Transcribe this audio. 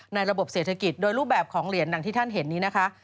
ระบบเศรษฐกิจโดยรูปแบบของเหรียญหนังที่ท่านเห็นนี้นะคะ